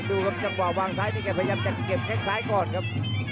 ดูครับจังหวะวางซ้ายนี่แกพยายามจะเก็บแค่งซ้ายก่อนครับ